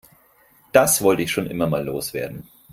Das wollte ich schon immer mal loswerden.